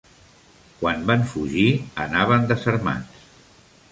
Quan van fugir, anaven desarmats.